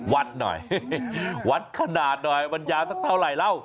วัดหน่อยวัดขนาดหน่อยมันยาวสักเท่าไหร่เล่า